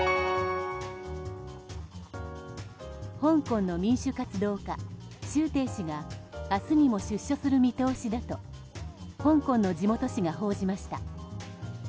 香港の民主活動家シュウ・テイ氏が明日にも出所する見通しだと香港の地元紙が報じました。